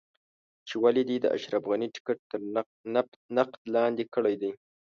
چې ولې دې د اشرف غني ټکټ تر نقد لاندې کړی دی.